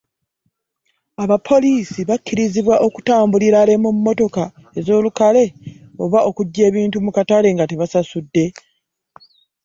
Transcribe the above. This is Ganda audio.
Abapoliisi bakirizibwa okutambulirare mu mmotoka z’olukale oba okuggya ebintu mu katale nga tebasasudde?